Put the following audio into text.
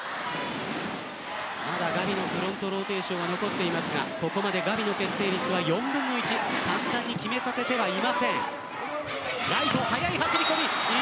ただ、ガビのフロントローテーションは残っていますがここまでガビの決定率は４分の１簡単に決めさせてはいません。